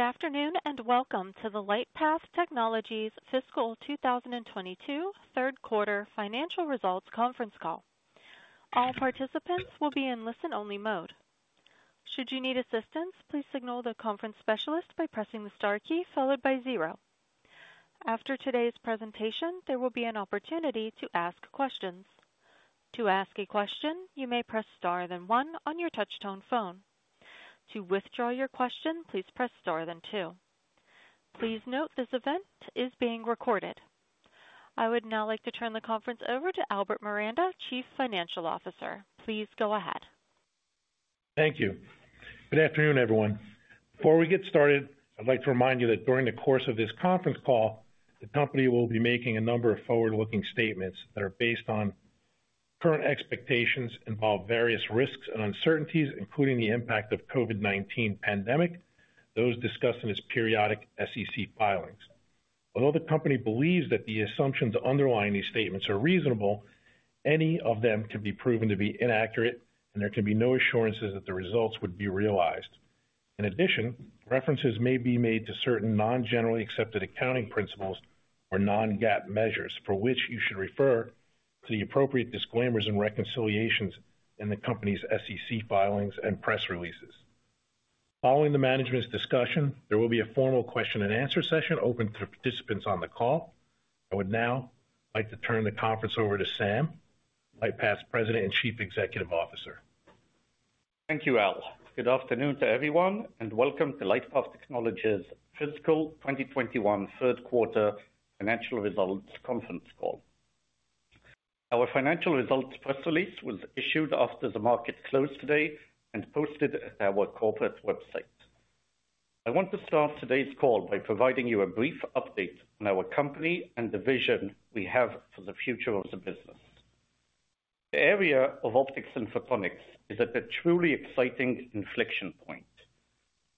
Good afternoon, and welcome to the LightPath Technologies Fiscal 2022 third quarter financial results conference call. All participants will be in listen-only mode. Should you need assistance, please signal the conference specialist by pressing the star key followed by zero. After today's presentation, there will be an opportunity to ask questions. To ask a question, you may press star then one on your touch tone phone. To withdraw your question, please press star then two. Please note this event is being recorded. I would now like to turn the conference over to Albert Miranda, Chief Financial Officer. Please go ahead. Thank you. Good afternoon, everyone. Before we get started, I'd like to remind you that during the course of this conference call, the company will be making a number of forward-looking statements that are based on current expectations, involve various risks and uncertainties, including the impact of COVID-19 pandemic, those discussed in its periodic SEC filings. Although the company believes that the assumptions underlying these statements are reasonable, any of them could be proven to be inaccurate, and there can be no assurances that the results would be realized. In addition, references may be made to certain non-generally accepted accounting principles or non-GAAP measures for which you should refer to the appropriate disclaimers and reconciliations in the company's SEC filings and press releases. Following the management's discussion, there will be a formal question and answer session open to participants on the call. I would now like to turn the conference over to Sam, LightPath's President and Chief Executive Officer. Thank you, Al. Good afternoon to everyone, and welcome to LightPath Technologies' Fiscal 2021 Third Quarter Financial Results Conference Call. Our financial results press release was issued after the market closed today and posted at our corporate website. I want to start today's call by providing you a brief update on our company and the vision we have for the future of the business. The area of optics and photonics is at a truly exciting inflection point.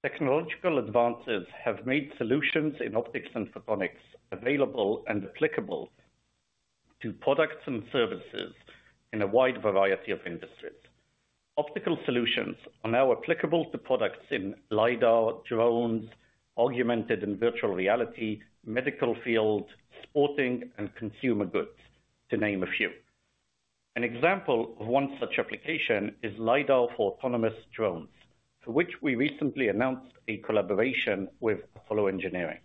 Technological advances have made solutions in optics and photonics available and applicable to products and services in a wide variety of industries. Optical solutions are now applicable to products in lidar, drones, augmented and virtual reality, medical field, sporting, and consumer goods, to name a few. An example of one such application is lidar for autonomous drones, for which we recently announced a collaboration with Attollo Engineering.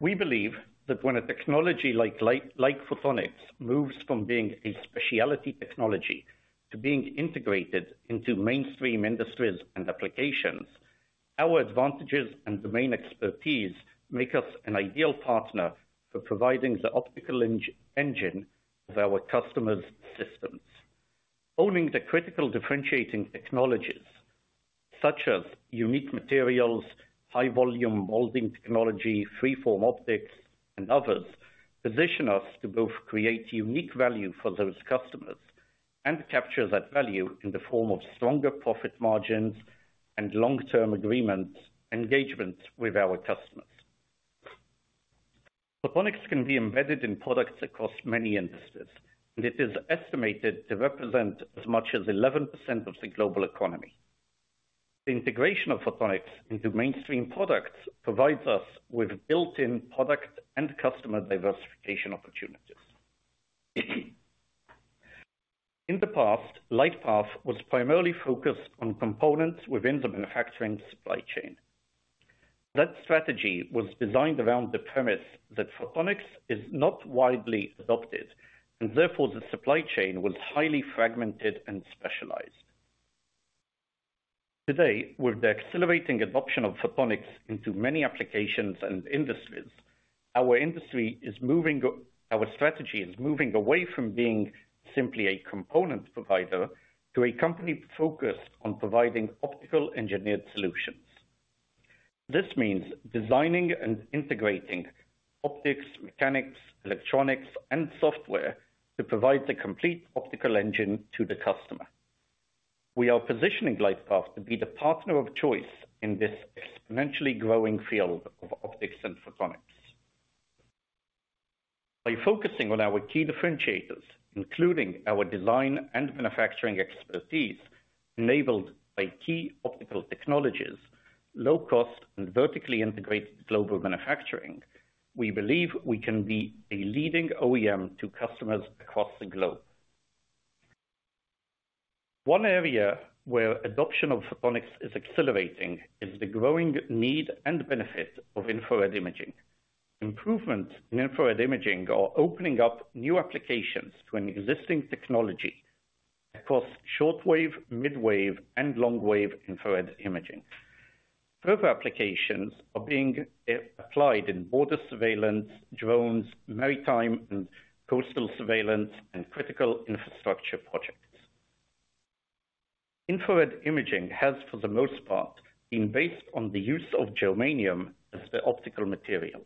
We believe that when a technology like photonics moves from being a specialty technology to being integrated into mainstream industries and applications, our advantages and domain expertise make us an ideal partner for providing the optical engine of our customers' systems. Owning the critical differentiating technologies such as unique materials, high volume molding technology, freeform optics and others, position us to both create unique value for those customers and capture that value in the form of stronger profit margins and long-term agreements, engagements with our customers. Photonics can be embedded in products across many industries. It is estimated to represent as much as 11% of the global economy. The integration of photonics into mainstream products provides us with built-in product and customer diversification opportunities. In the past, LightPath was primarily focused on components within the manufacturing supply chain. That strategy was designed around the premise that photonics is not widely adopted, and therefore the supply chain was highly fragmented and specialized. Today, with the accelerating adoption of photonics into many applications and industries, our strategy is moving away from being simply a component provider to a company focused on providing optical engineered solutions. This means designing and integrating optics, mechanics, electronics, and software to provide the complete optical engine to the customer. We are positioning LightPath to be the partner of choice in this exponentially growing field of optics and photonics. By focusing on our key differentiators, including our design and manufacturing expertise enabled by key optical technologies, low cost, and vertically integrated global manufacturing, we believe we can be a leading OEM to customers across the globe. One area where adoption of photonics is accelerating is the growing need and benefit of infrared imaging. Improvement in infrared imaging are opening up new applications to an existing technology across short-wave, mid-wave, and long-wave infrared imaging. Further applications are being applied in border surveillance, drones, maritime and coastal surveillance, and critical infrastructure projects. Infrared imaging has, for the most part, been based on the use of germanium as the optical material.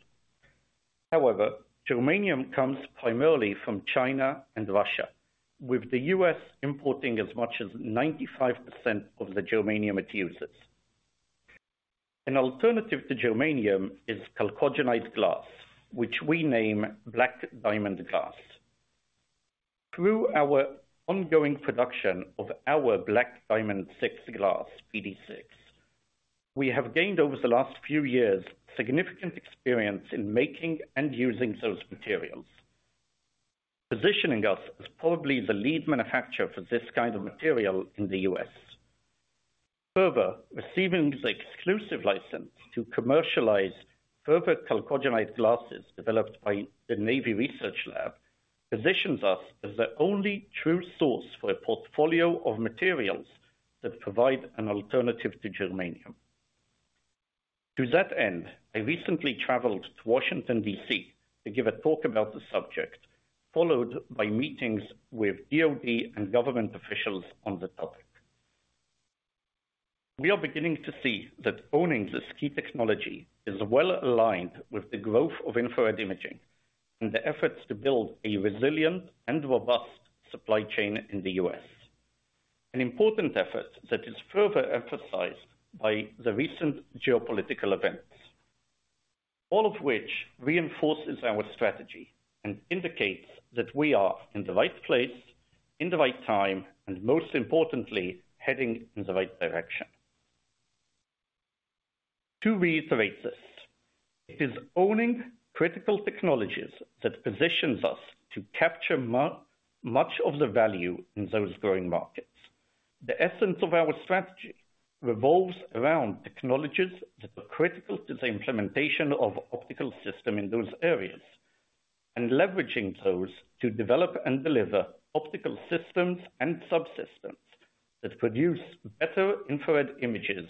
However, germanium comes primarily from China and Russia, with the U.S. importing as much as 95% of the germanium it uses. An alternative to germanium is chalcogenide glass, which we name BlackDiamond Glass. Through our ongoing production of our BlackDiamond 6 glass, BD6, we have gained over the last few years significant experience in making and using those materials, positioning us as probably the lead manufacturer for this kind of material in the U.S. Further, receiving the exclusive license to commercialize further chalcogenide glasses developed by the Naval Research Laboratory positions us as the only true source for a portfolio of materials that provide an alternative to germanium. To that end, I recently traveled to Washington, D.C., to give a talk about the subject, followed by meetings with DoD and government officials on the topic. We are beginning to see that owning this key technology is well aligned with the growth of infrared imaging and the efforts to build a resilient and robust supply chain in the U.S. An important effort that is further emphasized by the recent geopolitical events, all of which reinforces our strategy and indicates that we are in the right place, in the right time, and most importantly, heading in the right direction. To reiterate this, it is owning critical technologies that positions us to capture much of the value in those growing markets. The essence of our strategy revolves around technologies that are critical to the implementation of optical system in those areas and leveraging those to develop and deliver optical systems and subsystems that produce better infrared images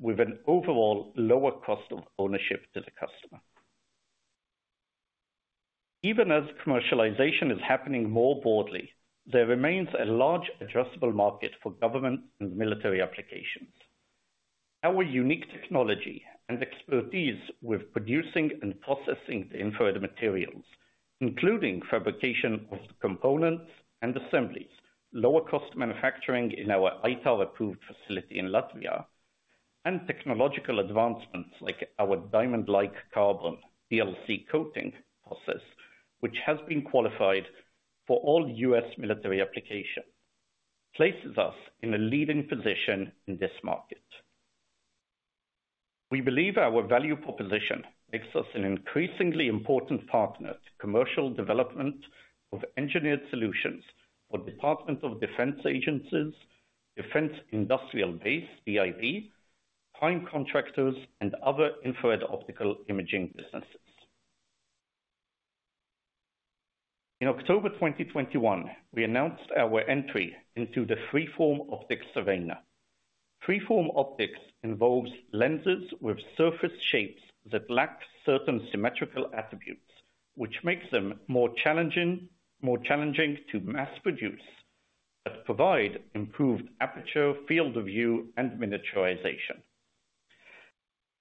with an overall lower cost of ownership to the customer. Even as commercialization is happening more broadly, there remains a large addressable market for government and military applications. Our unique technology and expertise with producing and processing the infrared materials, including fabrication of the components and assemblies, lower cost manufacturing in our ITAR-approved facility in Latvia, and technological advancements like our diamond-like carbon DLC coating process, which has been qualified for all U.S. military application, places us in a leading position in this market. We believe our value proposition makes us an increasingly important partner to commercial development of engineered solutions for Department of Defense agencies, Defense Industrial Base, DIB, prime contractors, and other infrared optical imaging businesses. In October 2021, we announced our entry into the freeform optics arena. Freeform optics involves lenses with surface shapes that lack certain symmetrical attributes, which makes them more challenging to mass produce but provide improved aperture, field of view, and miniaturization.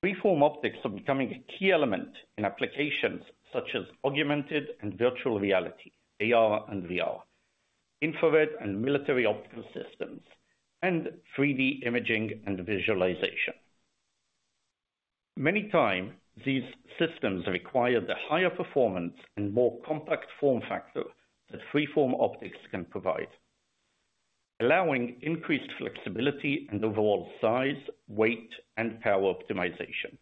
Freeform optics are becoming a key element in applications such as augmented and virtual reality, AR and VR, infrared and military optical systems, and 3D imaging and visualization. Many times these systems require the higher performance and more compact form factor that freeform optics can provide, allowing increased flexibility and overall size, weight, and power optimization.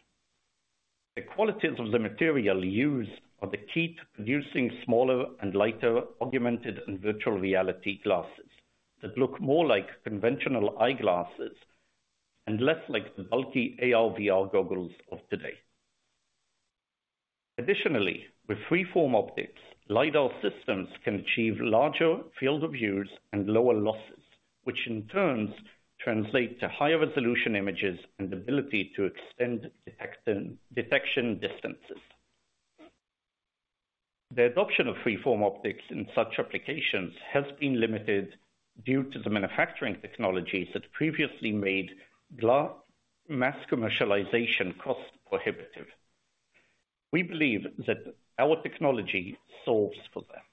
The qualities of the material used are the key to producing smaller and lighter augmented and virtual reality glasses that look more like conventional eyeglasses and less like the bulky AR/VR goggles of today. Additionally, with freeform optics, lidar systems can achieve larger fields of view and lower losses, which in turn translate to higher resolution images and ability to extend detection distances. The adoption of freeform optics in such applications has been limited due to the manufacturing technologies that previously made glass mass commercialization cost prohibitive. We believe that our technology solves for that.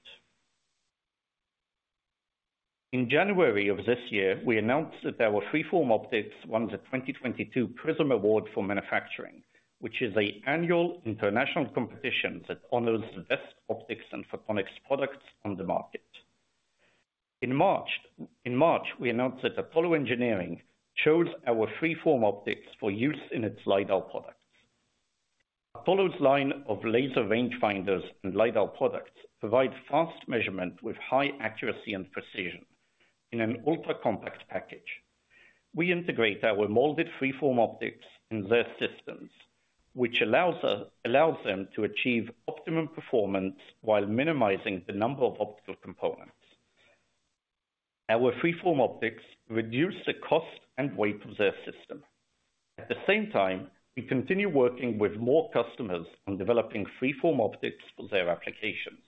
In January of this year, we announced that our freeform optics won the 2022 Prism Award for Manufacturing, which is an annual international competition that honors the best optics and photonics products on the market. In March, we announced that Attollo Engineering chose our freeform optics for use in its lidar products. Attollo's line of laser range finders and lidar products provide fast measurement with high accuracy and precision in an ultra-compact package. We integrate our molded freeform optics in their systems, which allows them to achieve optimum performance while minimizing the number of optical components. Our freeform optics reduce the cost and weight of their system. At the same time, we continue working with more customers on developing freeform optics for their applications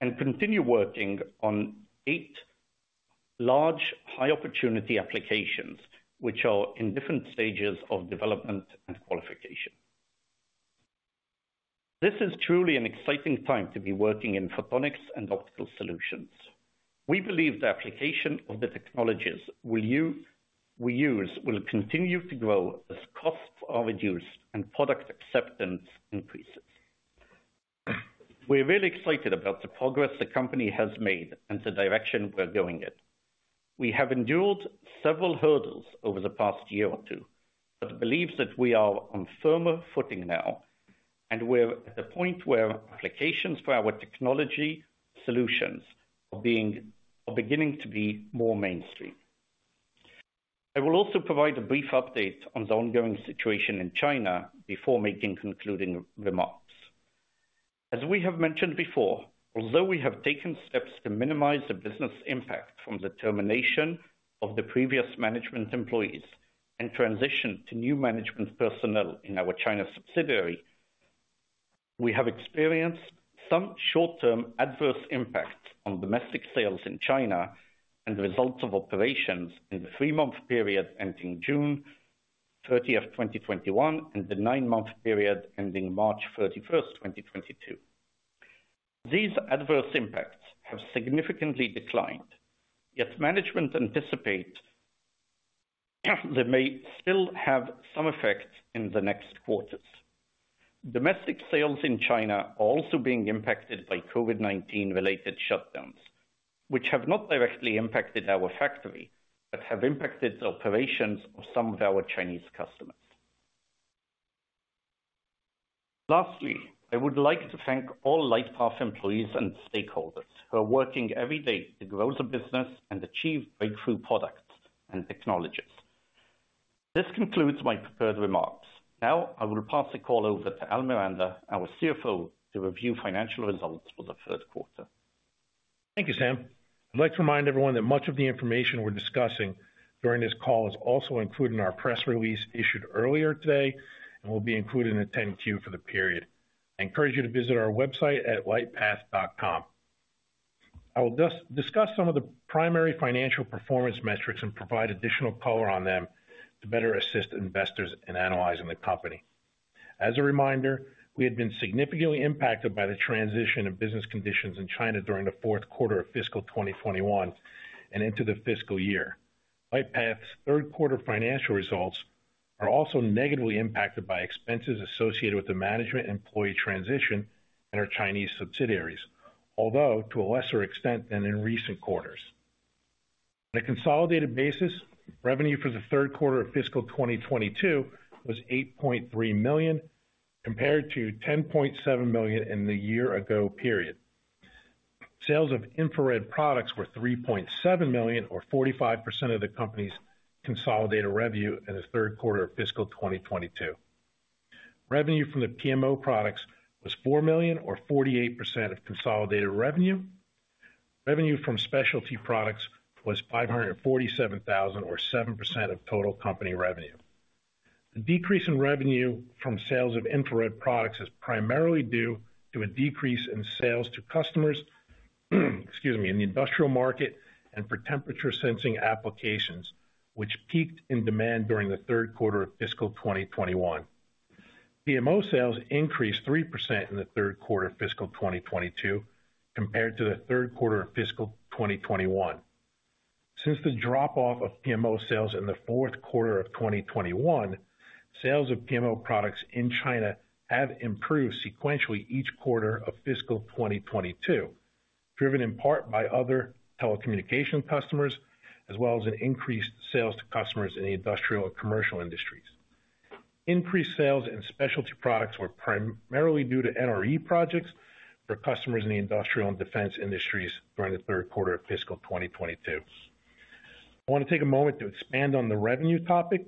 and continue working on eight large high opportunity applications which are in different stages of development and qualification. This is truly an exciting time to be working in photonics and optical solutions. We believe the application of the technologies we use will continue to grow as costs are reduced and product acceptance increases. We're really excited about the progress the company has made and the direction we're going in. We have endured several hurdles over the past year or two, but believe that we are on firmer footing now, and we're at the point where applications for our technology solutions are beginning to be more mainstream. I will also provide a brief update on the ongoing situation in China before making concluding remarks. As we have mentioned before, although we have taken steps to minimize the business impact from the termination of the previous management employees and transition to new management personnel in our China subsidiary, we have experienced some short-term adverse impacts on domestic sales in China and the results of operations in the three-month period ending June 30, 2021, and the nine-month period ending March 31, 2022. These adverse impacts have significantly declined, yet management anticipate they may still have some effects in the next quarters. Domestic sales in China are also being impacted by COVID-19 related shutdowns, which have not directly impacted our factory, but have impacted the operations of some of our Chinese customers. Lastly, I would like to thank all LightPath employees and stakeholders who are working every day to grow the business and achieve breakthrough products and technologies. This concludes my prepared remarks. Now I will pass the call over to Al Miranda, our CFO, to review financial results for the first quarter. Thank you, Sam. I'd like to remind everyone that much of the information we're discussing during this call is also included in our press release issued earlier today and will be included in the 10-Q for the period. I encourage you to visit our website at lightpath.com. I will discuss some of the primary financial performance metrics and provide additional color on them to better assist investors in analyzing the company. As a reminder, we had been significantly impacted by the transition of business conditions in China during the fourth quarter of fiscal 2021 and into the fiscal year. LightPath's third quarter financial results are also negatively impacted by expenses associated with the management employee transition in our Chinese subsidiaries. Although to a lesser extent than in recent quarters. The consolidated basis revenue for the third quarter of fiscal 2022 was $8.3 million, compared to $10.7 million in the year ago period. Sales of infrared products were $3.7 million or 45% of the company's consolidated revenue in the third quarter of fiscal 2022. Revenue from the PMO products was $4 million or 48% of consolidated revenue. Revenue from specialty products was $547,000 or 7% of total company revenue. The decrease in revenue from sales of infrared products is primarily due to a decrease in sales to customers, excuse me, in the industrial market and for temperature sensing applications, which peaked in demand during the third quarter of fiscal 2021. PMO sales increased 3% in the third quarter of fiscal 2022, compared to the third quarter of fiscal 2021. Since the drop-off of PMO sales in the fourth quarter of 2021, sales of PMO products in China have improved sequentially each quarter of fiscal 2022. Driven in part by other telecommunication customers as well as an increase in sales to customers in the industrial and commercial industries. Increased sales in specialty products were primarily due to NRE projects for customers in the industrial and defense industries during the third quarter of fiscal 2022. I wanna take a moment to expand on the revenue topic.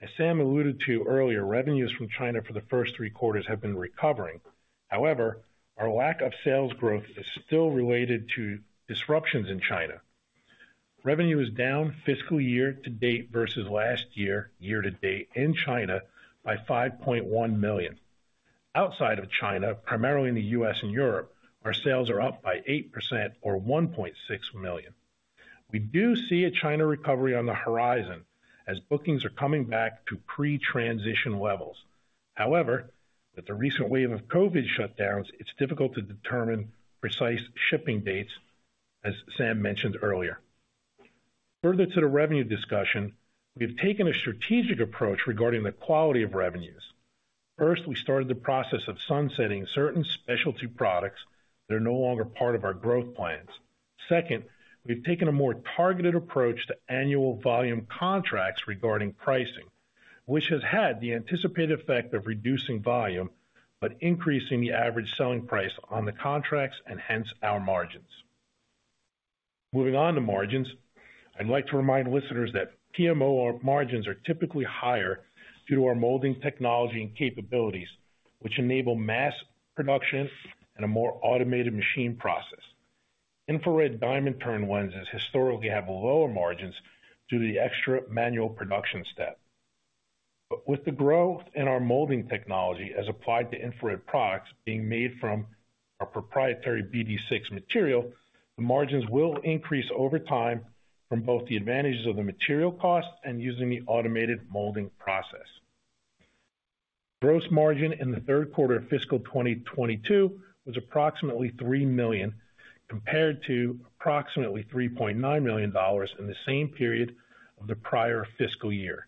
As Sam alluded to earlier, revenues from China for the first three quarters have been recovering. However, our lack of sales growth is still related to disruptions in China. Revenue is down fiscal year to date versus last year to date in China by $5.1 million. Outside of China, primarily in the U.S. and Europe, our sales are up by 8% or $1.6 million. We do see a China recovery on the horizon as bookings are coming back to pre-transition levels. However, with the recent wave of COVID shutdowns, it's difficult to determine precise shipping dates, as Sam mentioned earlier. Further to the revenue discussion, we have taken a strategic approach regarding the quality of revenues. First, we started the process of sunsetting certain specialty products that are no longer part of our growth plans. Second, we've taken a more targeted approach to annual volume contracts regarding pricing, which has had the anticipated effect of reducing volume but increasing the average selling price on the contracts and hence our margins. Moving on to margins. I'd like to remind listeners that PMO margins are typically higher due to our molding technology and capabilities, which enable mass production and a more automated machine process. Infrared diamond turned lenses historically have lower margins due to the extra manual production step. With the growth in our molding technology as applied to infrared products being made from our proprietary BD6 material, the margins will increase over time from both the advantages of the material cost and using the automated molding process. Gross margin in the third quarter of fiscal 2022 was approximately $3 million, compared to approximately $3.9 million in the same period of the prior fiscal year.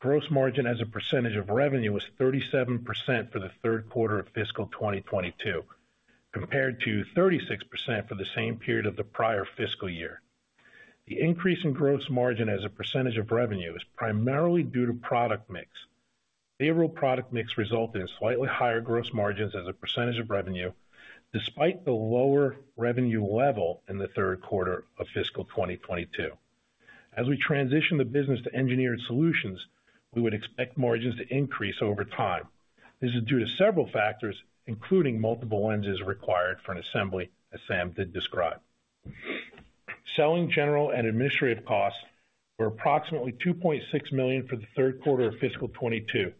Gross margin as a percentage of revenue was 37% for the third quarter of fiscal 2022, compared to 36% for the same period of the prior fiscal year. The increase in gross margin as a percentage of revenue is primarily due to product mix. Favorable product mix resulted in slightly higher gross margins as a percentage of revenue, despite the lower revenue level in the third quarter of fiscal 2022. As we transition the business to engineered solutions, we would expect margins to increase over time. This is due to several factors, including multiple lenses required for an assembly, as Sam did describe. Selling general and administrative costs were approximately $2.6 million for the third quarter of fiscal 2022,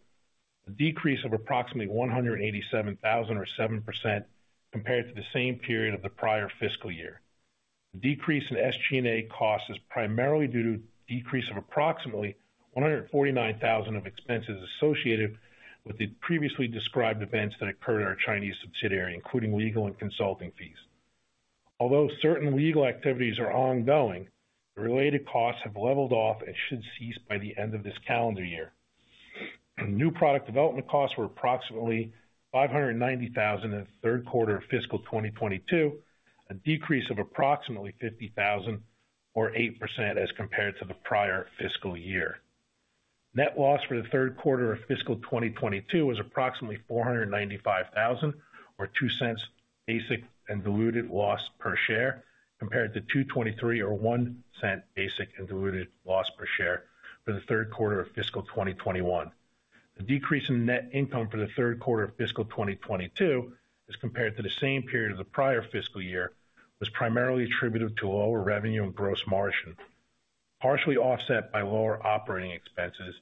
a decrease of approximately $187,000 or 7% compared to the same period of the prior fiscal year. The decrease in SG&A costs is primarily due to decrease of approximately $149,000 of expenses associated with the previously described events that occurred in our Chinese subsidiary, including legal and consulting fees. Although certain legal activities are ongoing, the related costs have leveled off and should cease by the end of this calendar year. New product development costs were approximately $590,000 in the third quarter of fiscal 2022, a decrease of approximately $50,000 or 8% as compared to the prior fiscal year. Net loss for the third quarter of fiscal 2022 was approximately $495,000 or $0.02 basic and diluted loss per share, compared to $223,000 or $0.01 basic and diluted loss per share for the third quarter of fiscal 2021. The decrease in net income for the third quarter of fiscal 2022 as compared to the same period of the prior fiscal year was primarily attributed to lower revenue and gross margin, partially offset by lower operating expenses.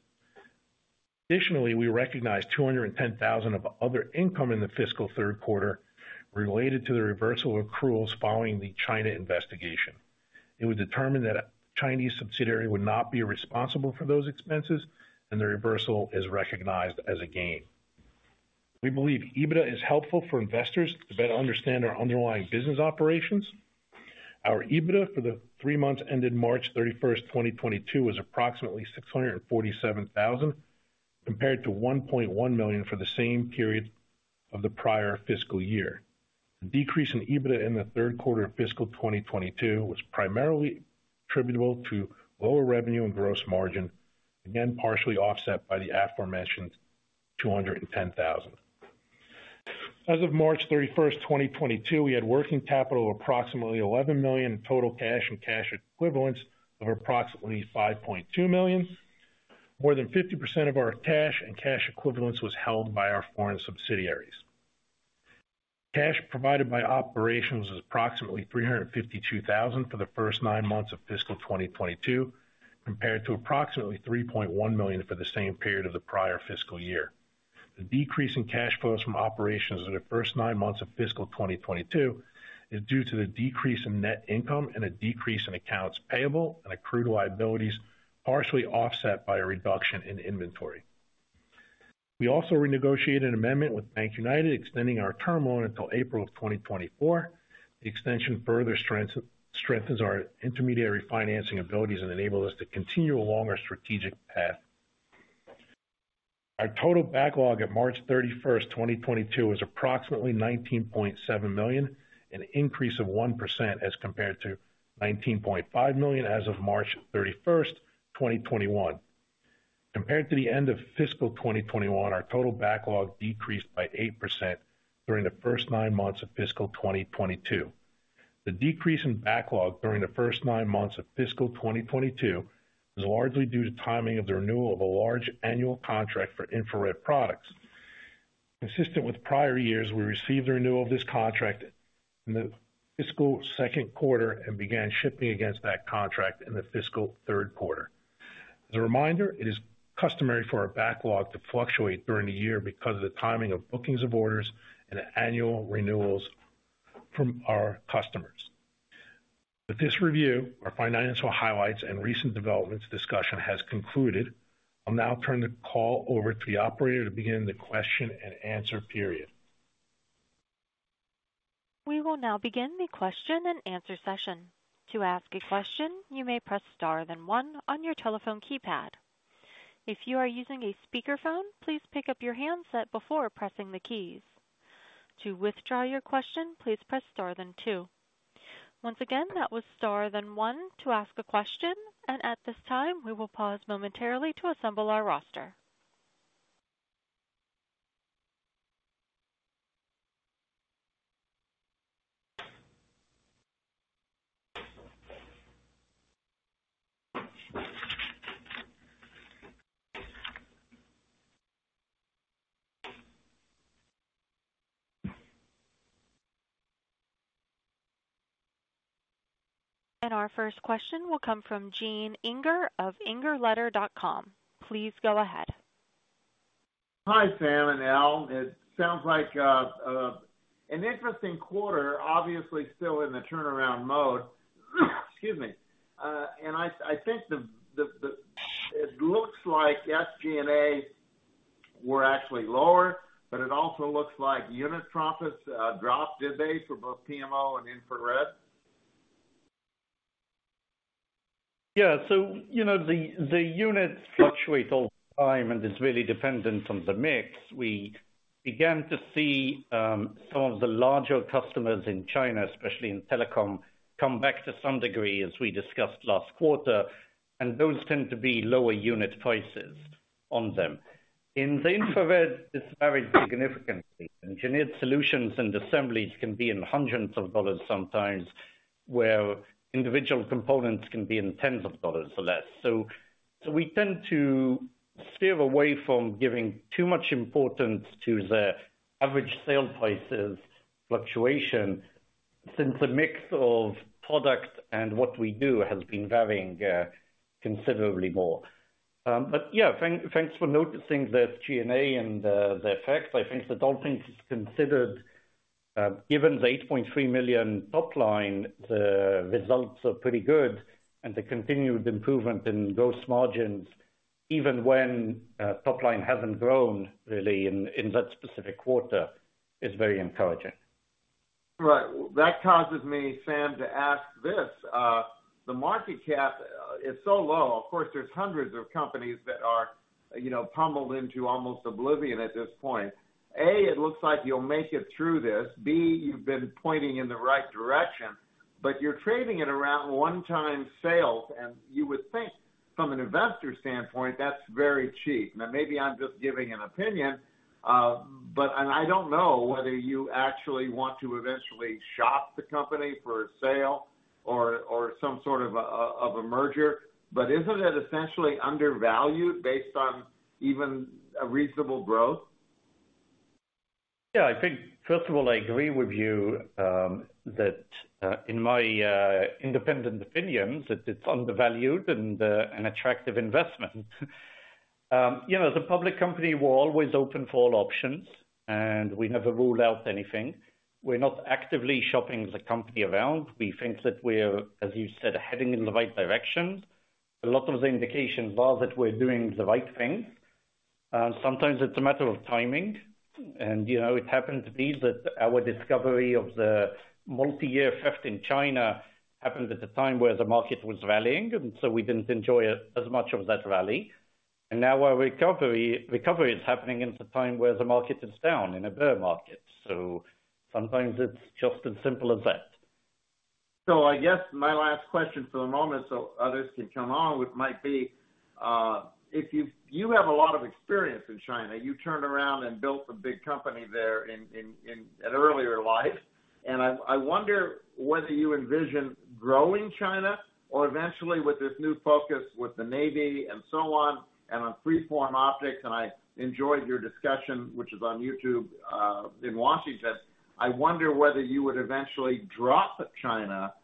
Additionally, we recognized $210,000 of other income in the fiscal third quarter related to the reversal of accruals following the China investigation. It was determined that a Chinese subsidiary would not be responsible for those expenses and the reversal is recognized as a gain. We believe EBITDA is helpful for investors to better understand our underlying business operations. Our EBITDA for the three months ended March 31, 2022 was approximately $647,000, compared to $1.1 million for the same period of the prior fiscal year. The decrease in EBITDA in the third quarter of fiscal 2022 was primarily attributable to lower revenue and gross margin, again, partially offset by the aforementioned $210,000. As of March 31, 2022, we had working capital of approximately $11 million in total cash and cash equivalents of approximately $5.2 million. More than 50% of our cash and cash equivalents was held by our foreign subsidiaries. Cash provided by operations was approximately $352,000 for the first nine months of fiscal 2022, compared to approximately $3.1 million for the same period of the prior fiscal year. The decrease in cash flows from operations in the first nine months of fiscal 2022 is due to the decrease in net income and a decrease in accounts payable and accrued liabilities, partially offset by a reduction in inventory. We also renegotiated an amendment with BankUnited, extending our term loan until April of 2024. The extension further strengthens our intermediary financing abilities and enables us to continue along our strategic path. Our total backlog at March 31, 2022 was approximately $19.7 million, an increase of 1% as compared to $19.5 million as of March 31, 2021. Compared to the end of fiscal 2021, our total backlog decreased by 8% during the first nine months of fiscal 2022. The decrease in backlog during the first nine months of fiscal 2022 is largely due to timing of the renewal of a large annual contract for infrared products. Consistent with prior years, we received the renewal of this contract in the fiscal second quarter and began shipping against that contract in the fiscal third quarter. As a reminder, it is customary for our backlog to fluctuate during the year because of the timing of bookings of orders and annual renewals from our customers. With this review, our financial highlights and recent developments discussion has concluded. I'll now turn the call over to the operator to begin the question and answer period. We will now begin the question and answer session. To ask a question, you may press star then one on your telephone keypad. If you are using a speakerphone, please pick up your handset before pressing the keys. To withdraw your question, please press star then two. Once again, that was star then one to ask a question. At this time, we will pause momentarily to assemble our roster. Our first question will come from Gene Inger of ingerletter.com. Please go ahead. Hi, Sam and Al. It sounds like, An interesting quarter, obviously still in the turnaround mode. Excuse me. I think it looks like SG&As were actually lower, but it also looks like unit profits dropped, did they, for both PMO and infrared? Yeah. The units fluctuate all the time, and it's really dependent on the mix. We began to see some of the larger customers in China, especially in telecom, come back to some degree, as we discussed last quarter. Those tend to be lower unit prices on them. In the infrared, it's very significant. Engineered solutions and assemblies can be in hundreds of dollars sometimes, where individual components can be in tens of dollars or less. We tend to steer away from giving too much importance to the average sale prices fluctuation, since the mix of products and what we do has been varying considerably more. But yeah, thanks for noticing the G&A and the effect. I think that all things considered, given the $8.3 million top line, the results are pretty good. The continued improvement in gross margins, even when top line hasn't grown really in that specific quarter, is very encouraging. Right. That causes me, Sam, to ask this. The market cap is so low. Of course, there's hundreds of companies that are pummeled into almost oblivion at this point. A, it looks like you'll make it through this. B, you've been pointing in the right direction, but you're trading at around 1x sales, and you would think from an investor standpoint, that's very cheap. Now maybe I'm just giving an opinion, and I don't know whether you actually want to eventually shop the company for a sale or some sort of a merger. Isn't it essentially undervalued based on even a reasonable growth? Yeah. I think, first of all, I agree with you, that, in my, independent opinion, that it's undervalued and, an attractive investment. The public company, we're always open for all options, and we never rule out anything. We're not actively shopping the company around. We think that we're, as you said, heading in the right direction. A lot of the indications are that we're doing the right thing. Sometimes it's a matter of timing. It happened to be that our discovery of the multi-year effect in China happened at a time where the market was rallying, and so we didn't enjoy as much of that rally. Now our recovery is happening at a time where the market is down in a bear market. Sometimes it's just as simple as that. I guess my last question for the moment, so others can come on, which might be if you have a lot of experience in China. You turned around and built a big company there in an earlier life. I wonder whether you envision growing China or eventually with this new focus with the Navy and so on and on freeform optics. I enjoyed your discussion, which is on YouTube, in Washington. I wonder whether you would eventually drop China,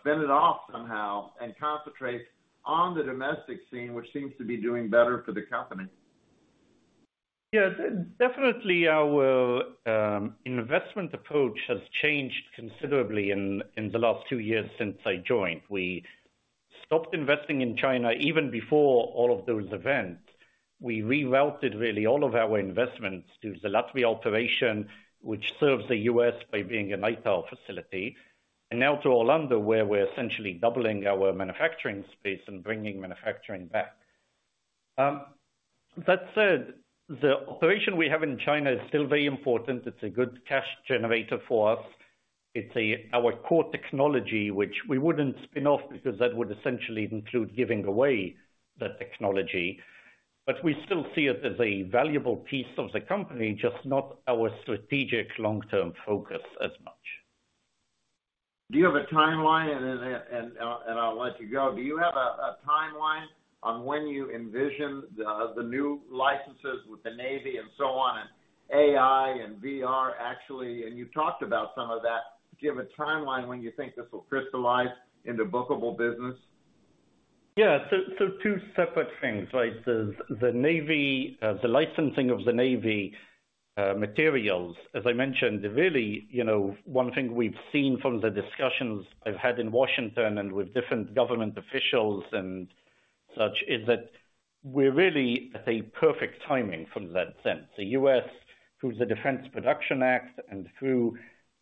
spin it off somehow and concentrate on the domestic scene, which seems to be doing better for the company. Yeah. Definitely our investment approach has changed considerably in the last two years since I joined. We stopped investing in China even before all of those events. We rerouted really all of our investments to the Latvia operation, which serves the U.S. by being an ITAR facility, and now to Orlando, where we're essentially doubling our manufacturing space and bringing manufacturing back. That said, the operation we have in China is still very important. It's a good cash generator for us. It's our core technology, which we wouldn't spin off because that would essentially include giving away the technology, but we still see it as a valuable piece of the company, just not our strategic long-term focus as much. Do you have a timeline and I'll let you go. Do you have a timeline on when you envision the new licenses with the Navy and so on, and AI and VR, actually, and you talked about some of that. Do you have a timeline when you think this will crystallize into bookable business? Yeah, two separate things, right? The Navy, the licensing of the Navy materials, as I mentioned, really one thing we've seen from the discussions I've had in Washington and with different government officials and such, is that we're really at a perfect timing from that sense. The U.S., through the Defense Production Act and through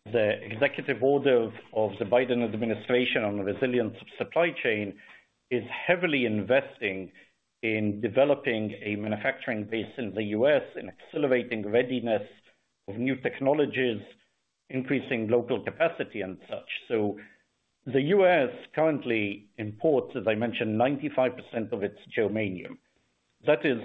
the executive order of the Biden administration on the resilience of supply chain, is heavily investing in developing a manufacturing base in the U.S. and accelerating readiness of new technologies, increasing local capacity and such. The U.S. currently imports, as I mentioned, 95% of its germanium. That is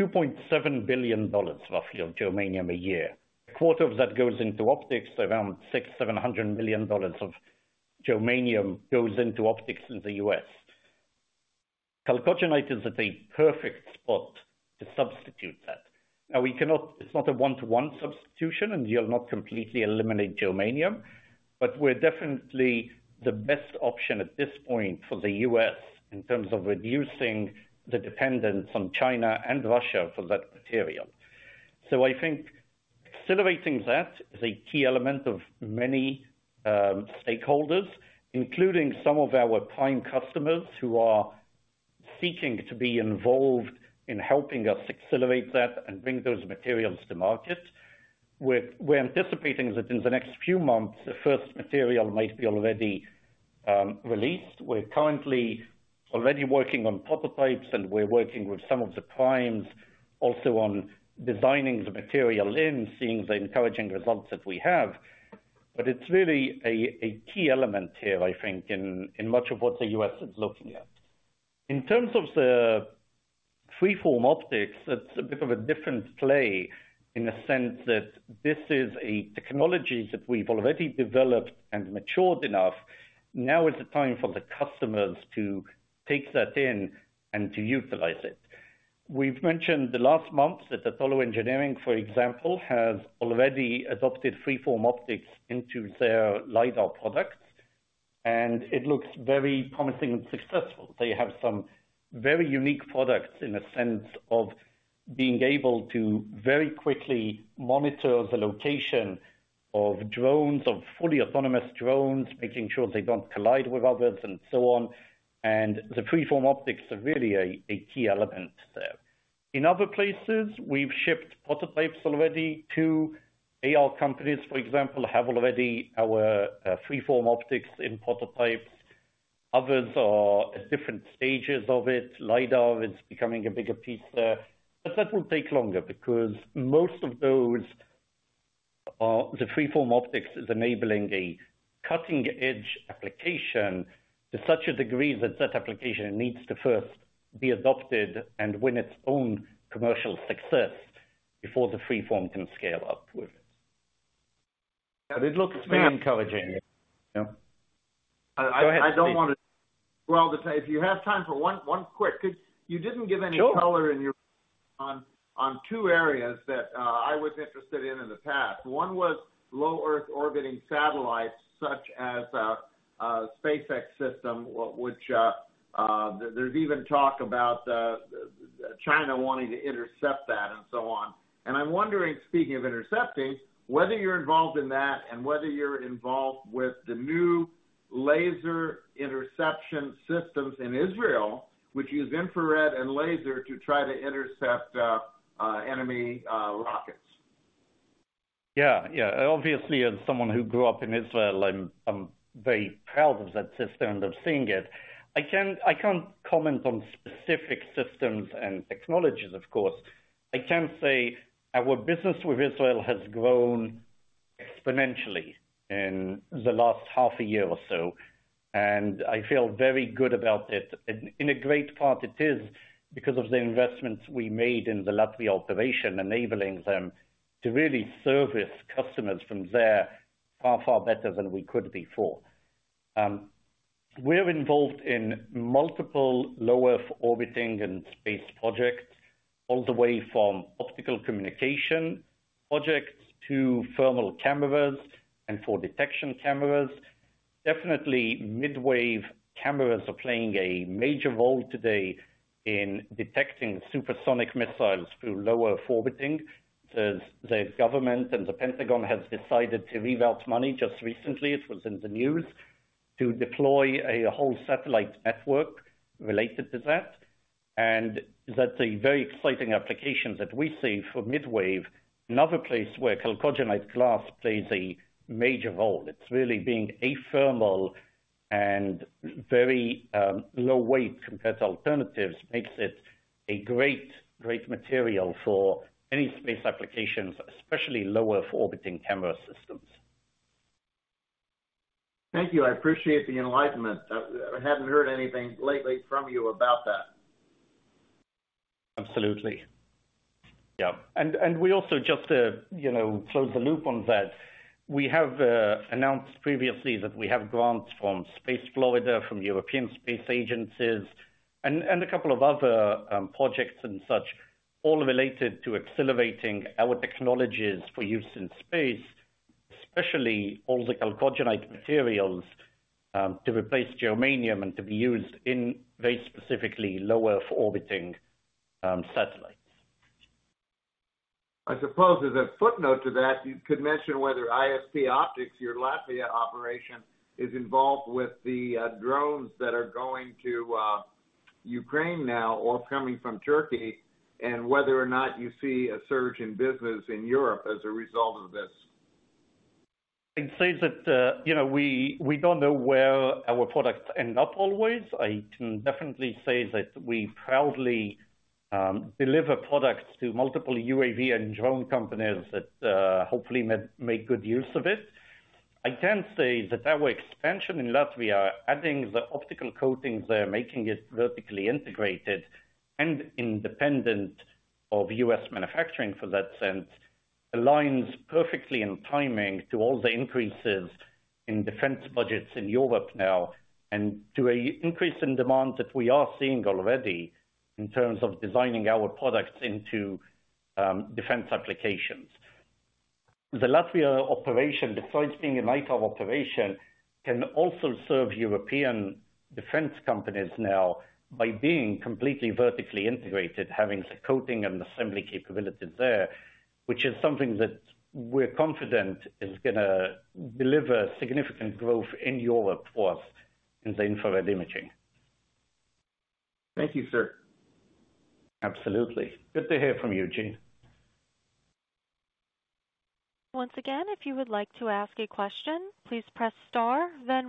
$2.7 billion roughly, of germanium a year. A quarter of that goes into optics. Around $600-$700 million of germanium goes into optics in the U.S. Chalcogenide is at a perfect spot to substitute that. It's not a one-to-one substitution, and you'll not completely eliminate germanium, but we're definitely the best option at this point for the U.S. in terms of reducing the dependence on China and Russia for that material. Accelerating that is a key element of many stakeholders, including some of our prime customers who are seeking to be involved in helping us accelerate that and bring those materials to market. We're anticipating that in the next few months, the first material might be already released. We're currently already working on prototypes, and we're working with some of the primes also on designing the material lens, seeing the encouraging results that we have. It's really a key element here, I think, in much of what the U.S. is looking at. In terms of the freeform optics, that's a bit of a different play in the sense that this is a technology that we've already developed and matured enough. Now is the time for the customers to take that in and to utilize it. We've mentioned the last month that Attollo Engineering, for example, has already adopted freeform optics into their lidar products, and it looks very promising and successful. They have some very unique products in the sense of being able to very quickly monitor the location of drones, of fully autonomous drones, making sure they don't collide with others and so on. The freeform optics are really a key element there. In other places, we've shipped prototypes already to AR companies, for example, have already our freeform optics in prototypes. Others are at different stages of it. Lidar is becoming a bigger piece there. That will take longer because most of those are, the freeform optics is enabling a cutting-edge application to such a degree that that application needs to first be adopted and win its own commercial success before the freeform can scale up with it. It looks very encouraging. Yeah. I don't wanna- Go ahead, Gene. Well, to see if you have time for one quick. You didn't give any color. Sure. In your opinion on two areas that I was interested in in the past. One was low Earth orbiting satellites, such as a SpaceX system, which there's even talk about China wanting to intercept that and so on. I'm wondering, speaking of intercepting, whether you're involved in that and whether you're involved with the new laser interception systems in Israel, which use infrared and laser to try to intercept enemy rockets. Yeah, yeah. Obviously, as someone who grew up in Israel, I'm very proud of that system, of seeing it. I can't comment on specific systems and technologies, of course. I can say our business with Israel has grown exponentially in the last half a year or so, and I feel very good about it. In a great part, it is because of the investments we made in the Latvia operation, enabling them to really service customers from there far, far better than we could before. We're involved in multiple low-Earth orbit and space projects, all the way from optical communication projects to thermal cameras and for detection cameras. Definitely, mid-wave cameras are playing a major role today in detecting supersonic missiles through low-Earth orbit. The government and the Pentagon have decided to revoke money just recently. It was in the news to deploy a whole satellite network related to that. That's a very exciting application that we see for mid-wave. Another place where chalcogenide glass plays a major role, it's really being athermal and very low weight compared to alternatives, makes it a great material for any space applications, especially low-Earth orbiting camera systems. Thank you. I appreciate the enlightenment. I hadn't heard anything lately from you about that. Absolutely. Yeah. We also just to, you know, close the loop on that. We have announced previously that we have grants from Space Florida, from the European Space Agency and a couple of other projects and such, all related to accelerating our technologies for use in space, especially all the chalcogenide materials, to replace germanium and to be used in very specifically low-Earth orbiting satellites. I suppose as a footnote to that, you could mention whether ISP Optics, your Latvia operation, is involved with the drones that are going to Ukraine now or coming from Turkey, and whether or not you see a surge in business in Europe as a result of this. I'd say that, you know, we don't know where our products end up always. I can definitely say that we proudly deliver products to multiple UAV and drone companies that, hopefully make good use of it. I can say that our expansion in Latvia, adding the optical coatings there, making it vertically integrated and independent of U.S. manufacturing in that sense, aligns perfectly in timing to all the increases in defense budgets in Europe now and to a increase in demand that we are seeing already in terms of designing our products into defense applications. The Latvia operation, besides being an ITAR operation, can also serve European defense companies now by being completely vertically integrated, having the coating and assembly capabilities there, which is something that we're confident is gonna deliver significant growth in Europe for us in the infrared imaging. Thank you, sir. Absolutely. Good to hear from you, Gene. Once again, if you would like to ask a question, please press star then zero.